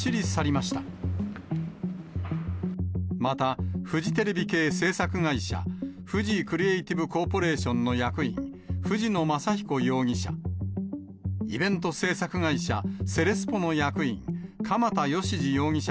また、フジテレビ系制作会社、フジクリエイティブコーポレーションの役員、藤野昌彦容疑者。